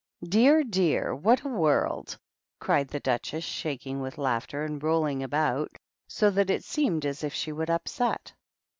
"Dear, dear! what a world!" cried the Duchess, shaking with laughter, and rolling about so that it seemed as if she would up set.